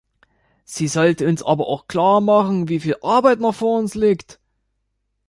Sie sollte uns aber auch klarmachen, wie viel Arbeit noch vor uns liegt.